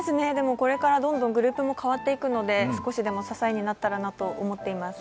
これからどんどんグループも変わってきているので少しでも支えになったらと思います。